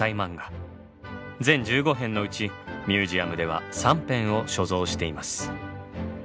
全十五編のうちミュージアムでは三編を所蔵しています。